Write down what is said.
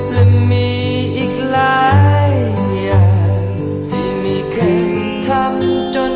และมีอีกหลายอย่างที่ไม่เคยทำจน